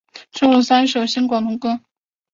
收录三首新广东歌。